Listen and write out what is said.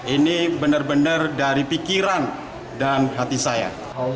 ini benar benar dari pikiran dan hati saya